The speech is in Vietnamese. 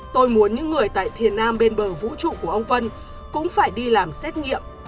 tôi muốn những người tại thiền nam bên bờ vũ trụ của ông vân cũng phải đi làm xét nghiệm